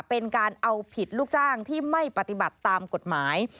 เป็นการเอาผิดลูกจ้างที่ไม่ปฏิบัติตามกฎหมาย